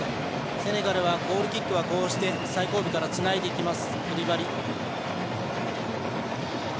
セネガルはゴールキックは最後尾からつないでいきます。